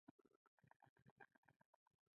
ګریګوریان په افغانستان کې د امیر حبیب الله خان.